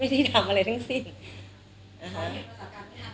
มีประสาทการพิทัศน์แปลกของพี่มา